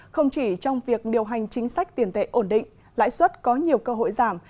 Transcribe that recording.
không chỉ trong việc điều hành chính sách tiền tệ ổn định lãi suất có nhiều cơ hội giảm